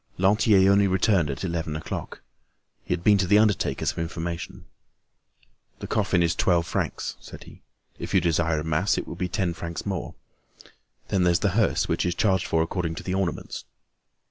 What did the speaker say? Lantier only returned at eleven o'clock. He had been to the undertaker's for information. "The coffin is twelve francs," said he. "If you desire a mass, it will be ten francs more. Then there's the hearse, which is charged for according to the ornaments."